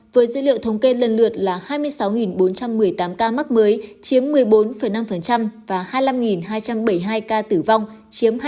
với dữ liệu thống kê lần lượt là hai mươi sáu bốn trăm một mươi tám ca mắc mới chiếm một mươi bốn năm và hai mươi năm hai trăm bảy mươi hai ca tử vong chiếm hai